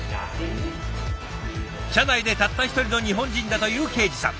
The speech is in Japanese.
社内でたった一人の日本人だという恵司さん。